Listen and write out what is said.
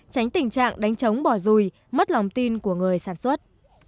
tránh tình trạng đánh trống bỏ rùi mất lòng tin của người sản xuất